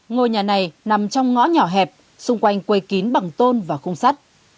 ngôi nhà này nằm trong ngõ nhỏ hẹp xung quanh quây kín bằng tôn và khung sắt